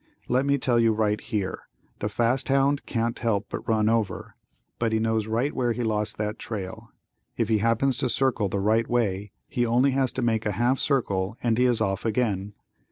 Let me tell you right here, the fast hound can't help but run over, but he knows right where he lost that trail. If he happens to circle the right way he only has to make a half circle and he is off again.